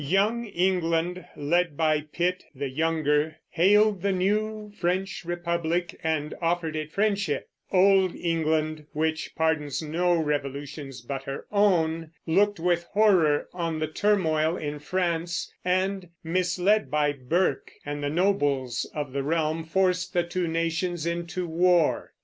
Young England, led by Pitt the younger, hailed the new French republic and offered it friendship; old England, which pardons no revolutions but her own, looked with horror on the turmoil in France and, misled by Burke and the nobles of the realm, forced the two nations into war.